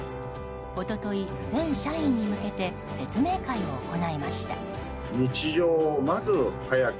一昨日、全社員に向けて説明会を行いました。